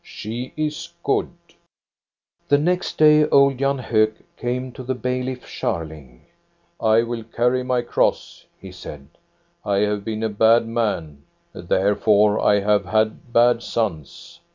She is good." The next day old Jan Hok came to the bailiff Scharling. " I will carry my cross," he said. " I have been a bad man, therefore I have had bad sons."